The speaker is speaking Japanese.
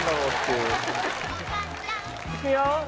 いくよ。